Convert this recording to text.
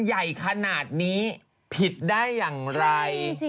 ใหญ่ขนาดนี้ผิดได้อย่างไร